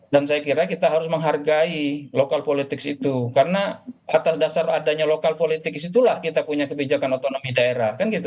dan saya kira kita harus menghargai lokal politik itu karena atas dasar adanya lokal politik itulah kita punya kebijakan otonomi daerah kan gitu